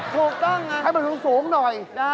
ถูกต้องให้มันสูงหน่อย